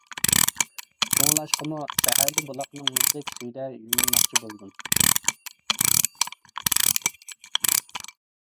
شۇڭلاشقىمۇ، سەھەردە بۇلاقنىڭ مۇزدەك سۈيىدە يۇيۇنماقچى بولدۇم.